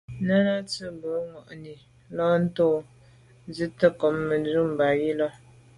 Náná à’sə̌’ mbu’ŋwà’nǐ á lǒ’ nzi’tə ncob Mə̀dʉ̂mbὰ yi lα.